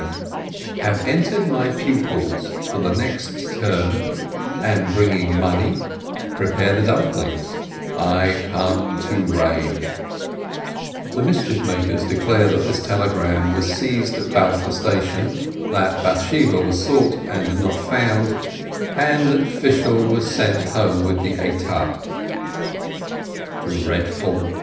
Which means: "Have entered my pupils for the next term, am bringing money, prepare the dumplings, I come to reign/' The mischief makers declare that this telegram was seized at Balta station, that Bath sheba was sought and not found, and that Fishel was sent home with the etape. Dreadful!